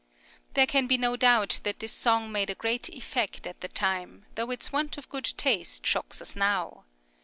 There can be no doubt that this song made a great effect at the time, though its want of good taste shocks us now.